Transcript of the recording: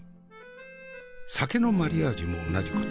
酒のマリアージュも同じこと。